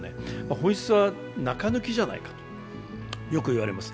本質は中抜きじゃないかとよく言われます。